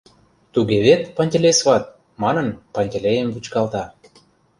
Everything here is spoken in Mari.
Туге вет, Пантелей сват? — манын, Пантелейым вӱчкалта.